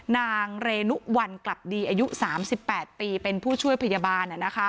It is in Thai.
นางเรนุวัลกลับดีอายุ๓๘ปีเป็นผู้ช่วยพยาบาล